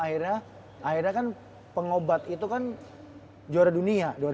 akhirnya kan pengobat itu kan juara dunia